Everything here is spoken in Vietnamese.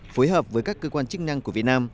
phối hợp với các cơ quan chức năng của việt nam